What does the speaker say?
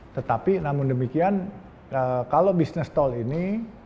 tetapi namun demikian kalau bisnis tol ini